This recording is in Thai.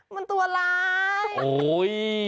มันตัวร้าย